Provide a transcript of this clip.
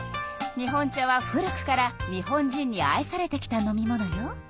日本茶は古くから日本人に愛されてきた飲み物よ。